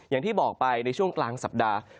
อย่างที่บอกไปในช่วงกลางสัปดาห์